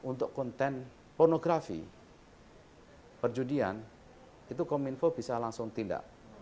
untuk konten pornografi perjudian itu kominfo bisa langsung tindak